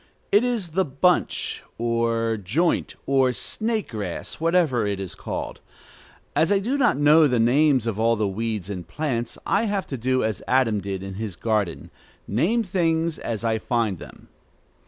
It is the bunch , or joint , or snake grass, whatever it is called. As I do not know the names of all the weeds and plants, I have to do as Adam did in his garden, name things as I find them.